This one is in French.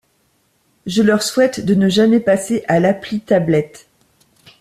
Je leur souhaite de ne jamais passer à l'appli tablette.